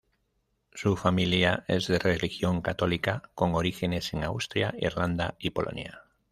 Su familia es de religión católica, con orígenes en Austria, Irlanda y Polonia.